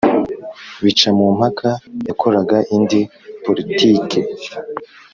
bicamumpaka yakoraga indi politike,